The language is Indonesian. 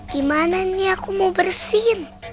gimana nih aku mau bersin